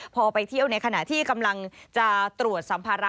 พอไปเที่ยวในขณะที่กำลังจะตรวจสัมภาระ